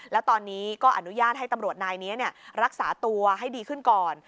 แล้วตอนนี้ก็อนุญาตให้ตำรวจนายนี้รักษาตัวให้ดีขึ้นก่อน